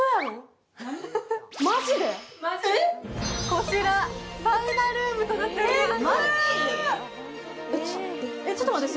こちら、サウナルームとなっております！